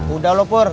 udah lho pur